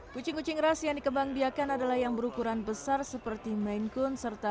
kucing kucing ras yang dikembanggiakan adalah yang berukuran besar seperti maine coon serta